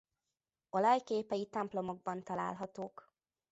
Olajképei templomokban találhatók.